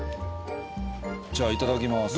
じゃあいただきます。